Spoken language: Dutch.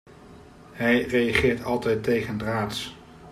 Hij reageert altijd tegendraads.